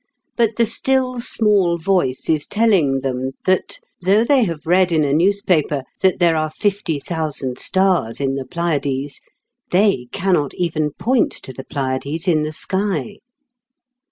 But the still small voice is telling them that, though they have read in a newspaper that there are fifty thousand stars in the Pleiades, they cannot even point to the Pleiades in the sky.